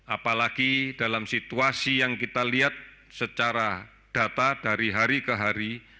apalagi dalam situasi yang kita lihat secara data dari hari ke hari